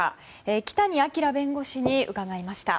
木谷明弁護士に伺いました。